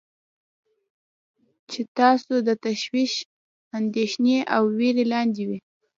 چې تاسو د تشویش، اندیښنې او ویرې لاندې وی.